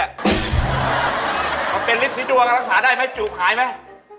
เอาเป็นฤทธิ์สิจวะของรักษาได้มั้ยจูบหายมั้ย